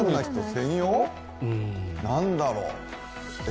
何だろう。